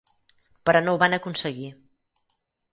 Però no ho van aconseguir.